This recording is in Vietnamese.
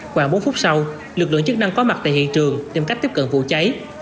khoảng bốn phút sau lực lượng chức năng có mặt tại hiện trường tìm cách tiếp cận vụ cháy